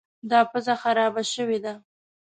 دا پزه خرابه شوې ده.